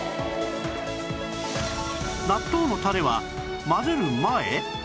納豆のタレは混ぜる前？